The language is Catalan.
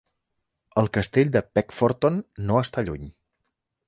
El Castell de Peckforton no està lluny.